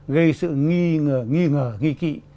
gây sự nghi ngờ nghi ngờ nghi kỵ